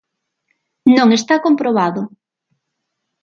Non está comprobado.